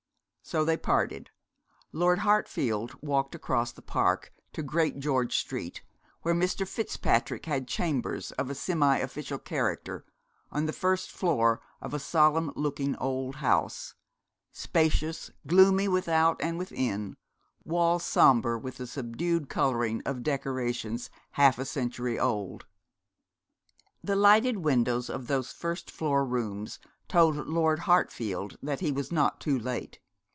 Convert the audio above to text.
So they parted. Lord Hartfield walked across the Park to Great George Street, where Mr. Fitzpatrick had chambers of a semi official character, on the first floor of a solemn looking old house, spacious, gloomy without and within, walls sombre with the subdued colouring of decorations half a century old. The lighted windows of those first floor rooms told Lord Hartfield that he was not too late.